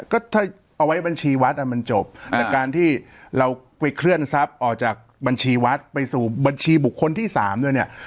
ก็ถ้าเอาไว้บัญชีวัดอ่ะมันจบแต่การที่เราไปเคลื่อนทรัพย์ออกจากบัญชีวัดไปสู่บัญชีบุคคลที่๓ด้วยเนี่ย